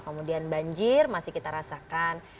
kemudian banjir masih kita rasakan